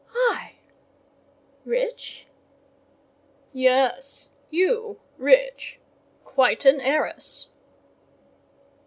"I!—rich?" "Yes, you, rich—quite an heiress."